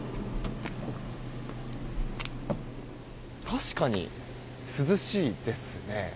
確かに涼しいですね。